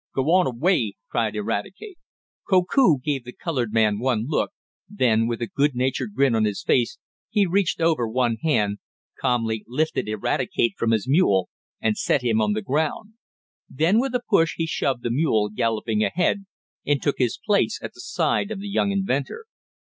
"Go on away!" cried Eradicate. Koku gave the colored man one look, then, with a good natured grin on his face, he reached over one hand, calmly lifted Eradicate from his mule and set him on the ground. Then, with a push, he shoved the mule galloping ahead, and took his place at the side of the young inventor.